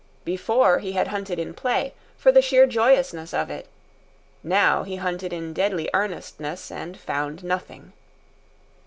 Before, he had hunted in play, for the sheer joyousness of it; now he hunted in deadly earnestness, and found nothing.